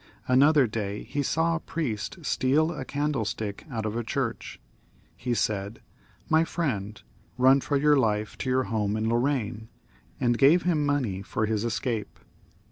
Another day he saw a priest steal a candlestick out of a church. He said, " IJLj friend, run for your life to your home in Lorraine," and gave him money for his escape.